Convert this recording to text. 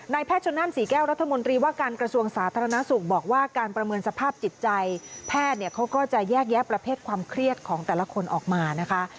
แพทย์ชนนั่นศรีแก้วรัฐมนตรีว่าการกระทรวงสาธารณสุขบอกว่าการประเมินสภาพจิตใจแพทย์เนี่ยเขาก็จะแยกแยะประเภทความเครียดของแต่ละคนออกมานะคะ